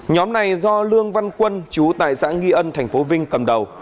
nhóm này do lương văn quân chú tại xã nghi ân tp vinh cầm đầu